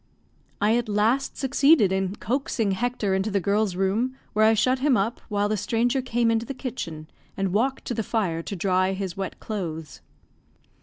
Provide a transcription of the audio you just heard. I at last succeeded in coaxing Hector into the girl's room, where I shut him up, while the stranger came into the kitchen, and walked to the fire to dry his wet clothes.